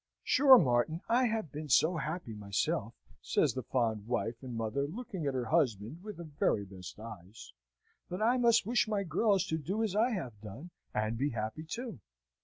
"Sure, Martin, I have been so happy myself," says the fond wife and mother, looking at her husband with her very best eyes, "that I must wish my girls to do as I have done, and be happy, too!"